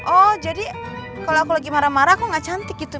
oh jadi kalau aku lagi marah marah aku gak cantik gitu